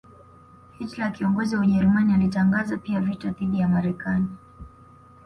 Hitler kiongozi wa Ujerumani alitangaza pia vita dhidi ya Marekani